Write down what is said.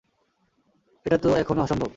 এটা তো এখন অসম্ভব!